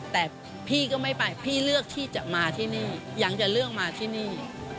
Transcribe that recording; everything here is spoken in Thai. แต่พี่ก็ไม่ไปพี่เลือกที่จะมาที่นี่ยังจะเลือกมาที่นี่